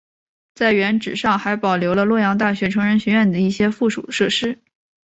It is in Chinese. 在原址上还保留了洛阳大学成人学院等一些附属设施。